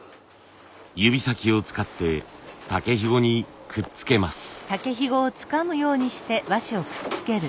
指先を使って竹ひごにくっつけます。